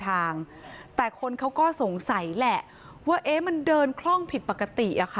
ทางแต่คนเขาก็สงสัยแหละว่าเอ๊ะมันเดินคล่องผิดปกติอะค่ะ